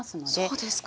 そうですか。